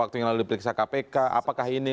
waktu yang lalu diperiksa kpk apakah ini